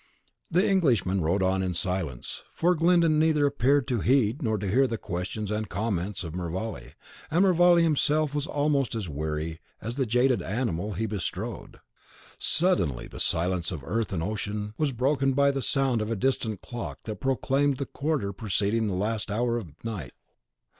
The Englishman rode on in silence; for Glyndon neither appeared to heed nor hear the questions and comments of Mervale, and Mervale himself was almost as weary as the jaded animal he bestrode. Suddenly the silence of earth and ocean was broken by the sound of a distant clock that proclaimed the quarter preceding the last hour of night.